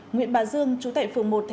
nguyễn bà dương chú tại phường một tp đh